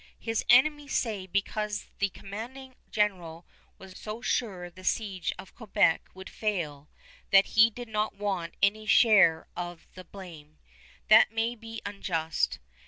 His enemies say because the commanding general was so sure the siege of Quebec would fail that he did not want any share of the blame. That may be unjust.